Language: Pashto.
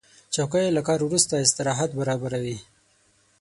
چوکۍ له کار وروسته استراحت برابروي.